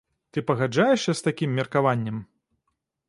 Ты пагаджаешся з такім меркаваннем?